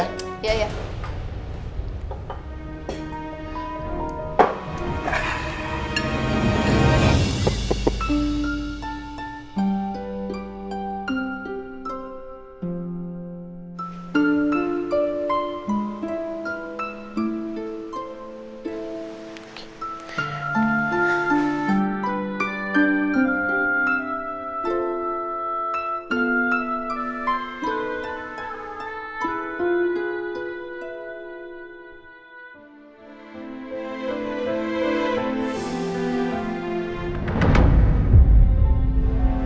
anda ikutan makan ya